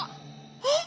えっ？